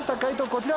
こちら。